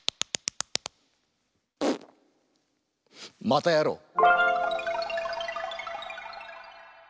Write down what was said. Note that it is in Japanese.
またやろう！